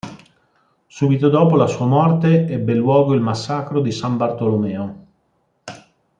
Subito dopo la sua morte ebbe luogo il massacro di San Bartolomeo.